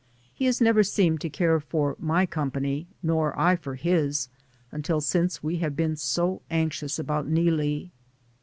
He has never seemed to care for my com pany, nor I for his until since we have been so anxious about Neelie.